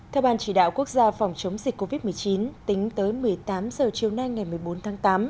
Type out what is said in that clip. theo ban chỉ đạo quốc gia phòng chống dịch covid một mươi chín tính tới một mươi tám h chiều nay ngày một mươi bốn tháng tám